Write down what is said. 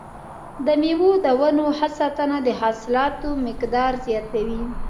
د مېوو د ونو ښه ساتنه د حاصلاتو مقدار زیاتوي.